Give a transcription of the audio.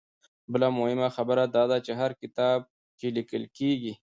بله مهمه خبره دا ده چې هر کتاب چې ليکل کيږي